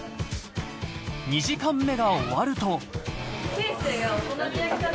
２時間目が終わると。